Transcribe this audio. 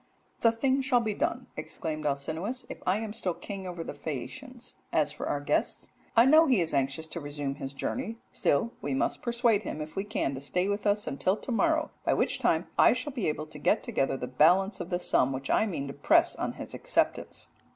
"'The thing shall be done,' exclaimed Alcinous, 'if I am still king over the Phaeacians. As for our guest, I know he is anxious to resume his journey, still we must persuade him if we can to stay with us until to morrow, by which time I shall be able to get together the balance of the sum which I mean to press on his acceptance.'"